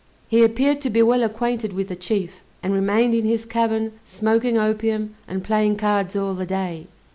He appeared to be well acquainted with the chief, and remained in his cabin smoking opium, and playing cards all the day.